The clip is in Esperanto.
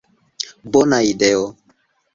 Bona ideo!